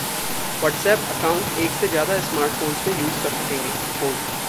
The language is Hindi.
WhatsApp अकाउंट एक से ज्यादा स्मार्टफोन्स में यूज कर सकेंगे: रिपोर्ट